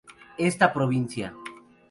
Esta provincia.